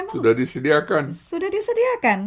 sudah disediakan sudah disediakan